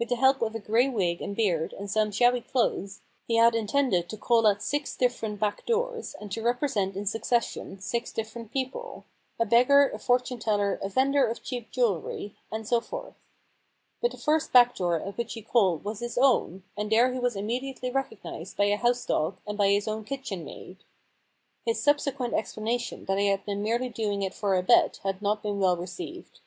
With the help of a gray wig and beard and some shabby clothes, he had intended to call at six different back doors and to represent in succession six different people — a beggar, a fortune teller, a vendor of cheap jewellery, and so forth. But the first back door at which he called was his own, and there he was immediately recognised by a house dog and by his own kitchen maid. His subsequent explanation that he had merely been doing it for a bet had not been well received.